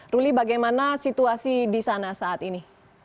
ruli bagaimana situasi di sana saat ini